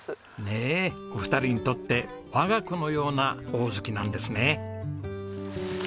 ねえお二人にとって我が子のようなホオズキなんですね。